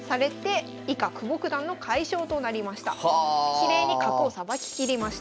きれいに角をさばききりました。